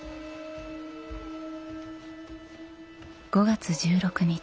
５月１６日